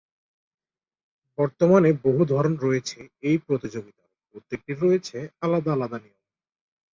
বর্তমানে বহু ধরন রয়েছে এই প্রতিযোগিতার, প্রত্যেকটির রয়েছে আলাদা আলাদা নিয়ম।